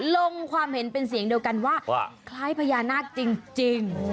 ลงความเห็นเป็นเสียงเดียวกันว่าคล้ายพญานาคจริง